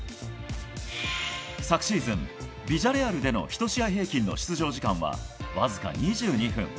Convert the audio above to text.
昨シーズン、ビジャレアルでの１試合平均の出場時間はわずか２２分。